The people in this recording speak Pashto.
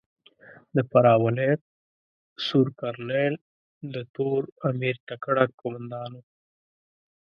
د فراه ولایت سور کرنېل د تور امیر تکړه کومندان ؤ.